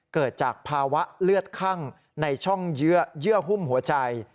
เกิดจากภาวะเลือดคั่งในช่องเยื่อหุ้มหัวใจ